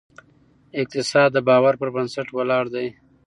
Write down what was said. اقتصاد د باور پر بنسټ ولاړ دی.